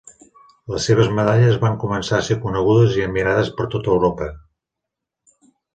Les seves medalles van començar a ser conegudes i admirades per tot Europa.